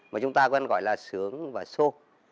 mà chúng ta vẫn gọi là sướng và số